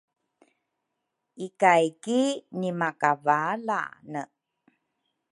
Ikay ki nimakavalane